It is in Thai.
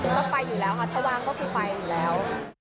ก็ไปอยู่แล้วค่ะชะวังก็พิภัยอยู่แล้ว